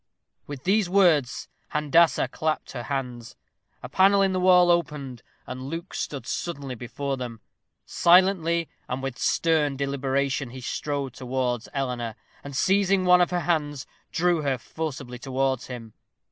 With these words Handassah clapped her hands. A panel in the wall opened, and Luke stood suddenly before them. Silently and with stern deliberation he strode towards Eleanor, and seizing one of her hands, drew her forcibly towards him.